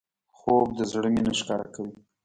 خوب د زړه مینه ښکاره کوي